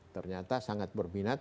ternyata sangat berminat